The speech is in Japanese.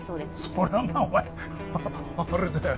そりゃまあお前あれだよ